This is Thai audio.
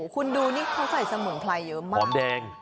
คุณดูนี่เขาใส่สม่งไผลเยอะมาก